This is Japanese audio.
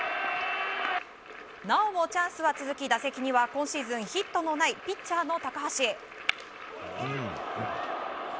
なおもチャンスは続き打席には今シーズンヒットのないピッチャーの高橋。